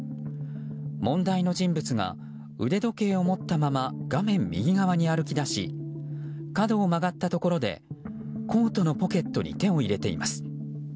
問題の人物が腕時計を持ったまま画面右側に歩き出し角を曲がったところでコートのポケットに手を入れています。